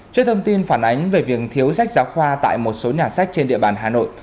trước thông tin phản ánh về việc thiếu sách giáo khoa tại một số nhà sách trên địa bàn hà nội